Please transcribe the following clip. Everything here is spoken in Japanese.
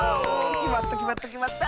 きまったきまったきまった！